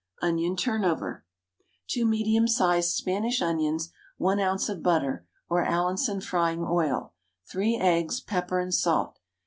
ONION TURNOVER. 2 medium sized Spanish onions, 1 oz. of butter (or Allinson frying oil), 3 eggs, pepper and salt.